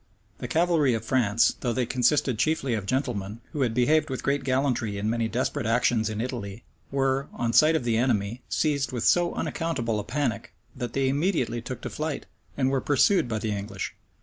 The cavalry of France, though they consisted chiefly of gentlemen, who had behaved with great gallantry in many desperate actions in Italy, were, on sight of the enemy, seized with so unaccountable a panic, that they immediately took to flight, and were pursued by the English.